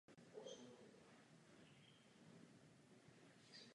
Po válce se stal členem Sokola.